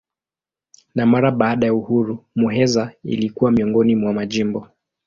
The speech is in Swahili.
Na mara baada ya uhuru Muheza ilikuwa miongoni mwa majimbo.